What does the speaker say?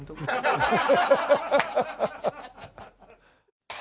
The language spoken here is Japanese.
ハハハハハ！